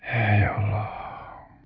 eh ya allah